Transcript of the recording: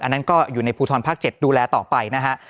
อันนั้นก็อยู่ในภูทรภาค๗ดูแลต่อไปนะฮะ